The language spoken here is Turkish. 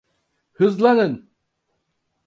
Hızlanın!